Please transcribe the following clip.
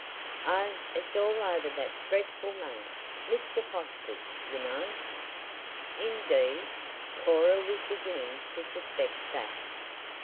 "Oh, it's all over that dreadful money! Mr. Foster's, you know." Indeed, Cora was beginning to suspect that.